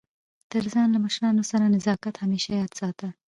تر ځان له مشرانو سره نزاکت همېشه یاد ساته!